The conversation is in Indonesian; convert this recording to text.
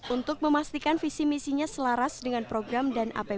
untuk memastikan visi misinya selaras dengan program dan apbn